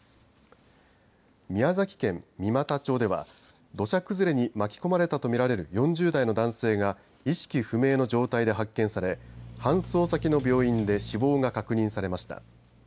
宮崎県三股町では土砂崩れに巻き込まれたと見られる４０代の男性が意識不明の状態で発見され搬送先の病院で死亡が確認されました。